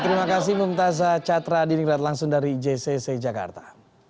terima kasih meminta saat catra diri langsung dari jcc jakarta